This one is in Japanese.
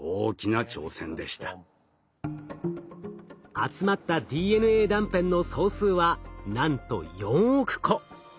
集まったＤＮＡ断片の総数はなんと４億個。